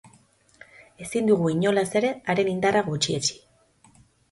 Ezin dugu, inolaz ere, haren indarra gutxietsi.